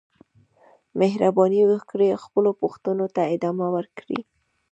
مهرباني وکړئ خپلو پوښتنو ته ادامه ورکړئ.